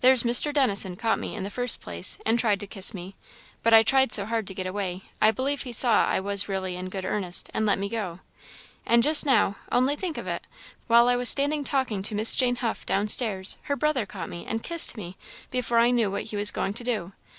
"There's Mr. Dennison caught me, in the first place, and tried to kiss me, but I tried so hard to get away, I believe he saw I was really in good earnest, and let me go. And just now only think of it! while I was standing talking to Miss Jane Huff, downstairs, her brother caught me, and kissed me, before I knew what he was going to do.